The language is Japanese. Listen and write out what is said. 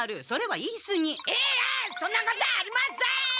いいえそんなことはありません！